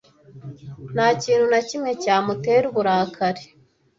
Nta kintu na kimwe cyamutera uburakari.